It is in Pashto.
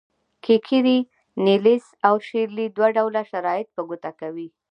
کیکیري، نیلیس او شیرلي دوه ډوله شرایط په ګوته کوي.